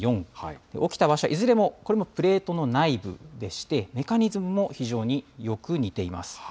起きた場所は、いずれもこれもプレートの内部でして、メカニズムも非常によく似ています。